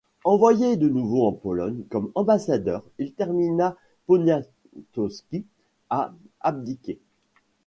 Envoyé de nouveau en Pologne comme ambassadeur, il détermina Poniatowski à abdiquer.